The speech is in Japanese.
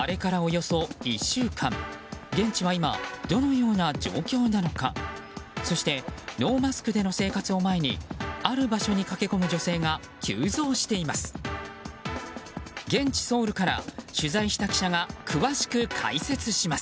そしてノーマスクでの生活を前にある場所に駆け込む女性が急増しています。